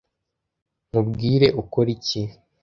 Nkubwire, ukora iki?